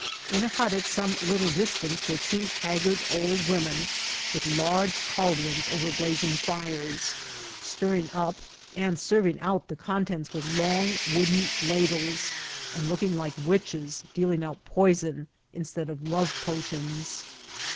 In a hut at some little dis tance were two haggard old women, with large caldrons over blazing fires, stirring up and serving out the con tents with long wooden ladles, and looli^ like witches dealing out poison instead of love potions.